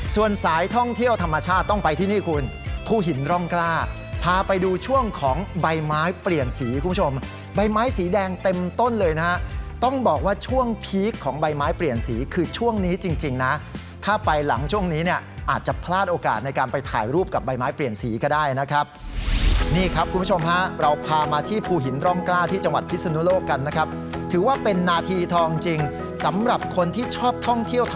ส่วนสายท่องเที่ยวธรรมชาติต้องไปที่นี่คุณภูหินร่องกล้าพาไปดูช่วงของใบไม้เปลี่ยนสีคุณผู้ชมใบไม้สีแดงเต็มต้นเลยนะต้องบอกว่าช่วงพีคของใบไม้เปลี่ยนสีคือช่วงนี้จริงนะถ้าไปหลังช่วงนี้เนี่ยอาจจะพลาดโอกาสในการไปถ่ายรูปกับใบไม้เปลี่ยนสีก็ได้นะครับนี่ครับคุณผู้ชมฮะเราพามาที่